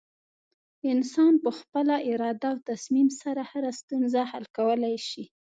انسان په خپله اراده او تصمیم سره هره ستونزه حل کولی شي.